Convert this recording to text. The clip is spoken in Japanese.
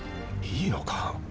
いいのか？